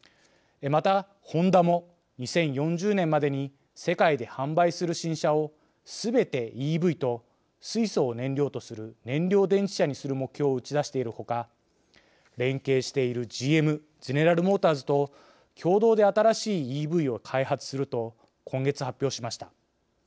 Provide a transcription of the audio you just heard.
またホンダも２０４０年までに世界で販売する新車をすべてＥＶと水素を燃料とする燃料電池車にする目標を打ち出しているほか連携しているＧＭゼネラル・モーターズと共同で新しいＥＶを開発すると今月発表しました。